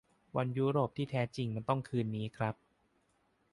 บอลยุโรปที่แท้จริงมันต้องคืนนี้ครับ !